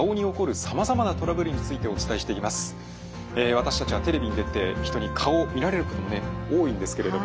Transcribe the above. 私たちはテレビに出て人に顔を見られることもね多いんですけれども。